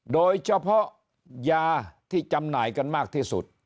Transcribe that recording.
โดยเฉพาะยาที่จำหน่ายกันมากที่สุด